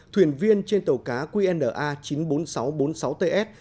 thuyền viên trên tàu cá qna chín mươi bốn nghìn sáu trăm bốn mươi sáu ts